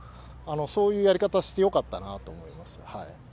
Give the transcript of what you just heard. そういうやり方してよかったなと思います。